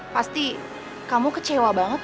pasti kamu kecewa banget